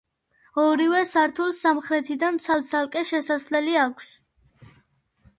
ორივე სართულს სამხრეთიდან ცალ-ცალკე შესასვლელი აქვს.